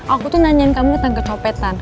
aku tuh nanyain kamu tentang kecopetan